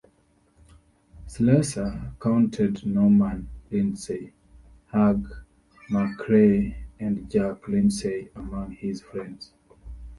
Slessor counted Norman Lindsay, Hugh McCrae and Jack Lindsay among his friends.